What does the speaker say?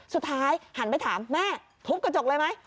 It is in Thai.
หันไปถามแม่ทุบกระจกเลยไหม